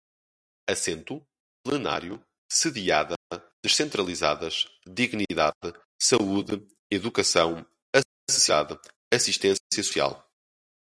assento, plenário, sediada, descentralizadas, dignidade, saúde, educação, acessibilidade, assistência social